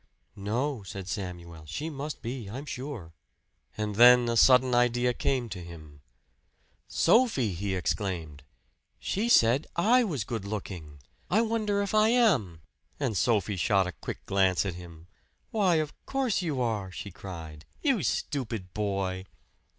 "No," said Samuel. "She must be, I'm sure." And then a sudden idea came to him. "Sophie!" he exclaimed "she said I was good looking! I wonder if I am." And Sophie shot a quick glance at him. "Why, of course you are!" she cried. "You stupid boy!"